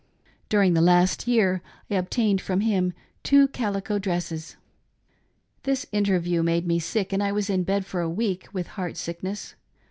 During the last year I only obtained from him two calico dresses. This inter view made me sick and I was in bed for a week, with heart sickness.